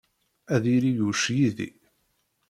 Ad yili Yuc yid-i.